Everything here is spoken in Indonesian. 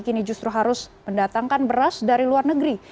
kini justru harus mendatangkan beras dari luar negeri